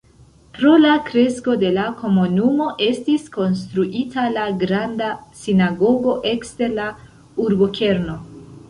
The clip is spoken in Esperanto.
Pro la kresko de la komunumo estis konstruita la Granda sinagogo ekster la urbokerno.